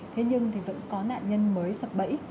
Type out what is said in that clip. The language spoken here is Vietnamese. thế nhưng vẫn có nạn nhân mới sập bẫy